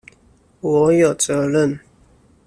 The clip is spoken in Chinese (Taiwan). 我有責任